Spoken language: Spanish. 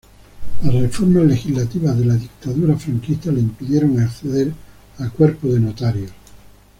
Las reformas legislativas de la dictadura franquista le impidieron acceder al cuerpo de notarios.